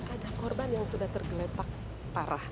ada korban yang sudah tergeletak parah